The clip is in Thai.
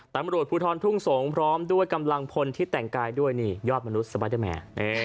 ตำรวจภูทรทุ่งสงศ์พร้อมด้วยกำลังพลที่แต่งกายด้วยนี่ยอดมนุษย์สบายเดอร์แมน